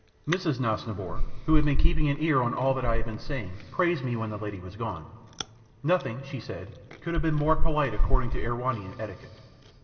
Mrs. Nosnibor, who had been keeping an ear on all that I had been saying, praised me when the lady had gone. Nothing, she said, could have been more polite according to Erewhonian etiquette.